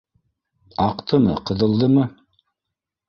Аҡтымы, ҡыҙылдымы?